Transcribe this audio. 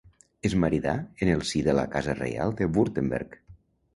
Es maridà en el si de la casa reial de Württemberg.